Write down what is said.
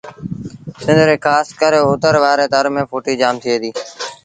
سنڌ ري کآس ڪري اُتر وآري تر ميݩ ڦُٽيٚ جآم ٿئي دي